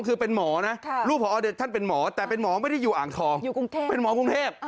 คือเป็นหมอไหมครับ